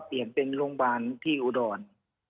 เปลี่ยนเป็นโรงพยาบาลที่อุดร